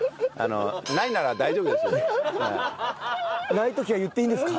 ない時は言っていいんですか？